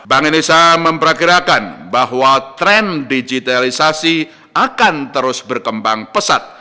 bank indonesia memperkirakan bahwa tren digitalisasi akan terus berkembang pesat